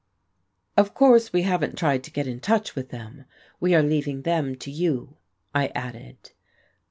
"Of course we haven't tried to get in touch with them. We are leaving them to you," I added.